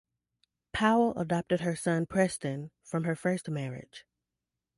Powell adopted her son Preston, from her first marriage.